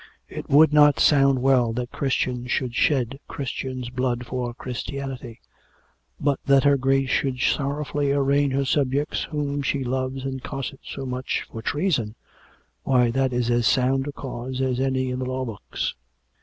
It would not sound well that Christian should shed Christian's blood for Christianity ; but that her Grace should sorrowfully arraign her subjects whom she loves and cossets so much, for treason Why, that is as sound a cause as any in the law books